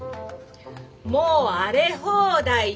もう荒れ放題で